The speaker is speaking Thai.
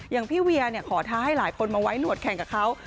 อย่างพี่เวียขอท้าให้หลายคนมาไว้หนวดแข่งกับเขา